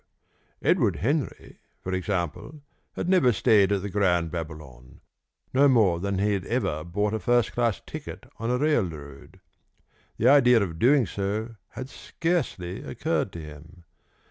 Edward Henry, for example, had never stayed at the Grand Babylon, no more than he had ever bought a first class ticket on a railroad. The idea of doing so had scarcely occurred to him.